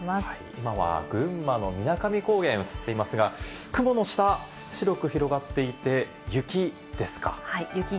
今は群馬の水上高原が映っていますが、雲の下、白く広がっていて、雪ですか。